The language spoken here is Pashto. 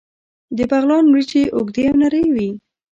د بغلان وریجې اوږدې او نرۍ وي.